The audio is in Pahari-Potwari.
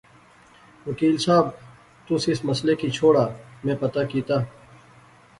وکیل صاحب، تس اس مسئلے کی چھوڑا میں پتہ کیتا